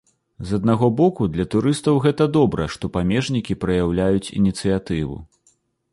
З аднаго боку, для турыстаў гэта добра, што памежнікі праяўляюць ініцыятыву.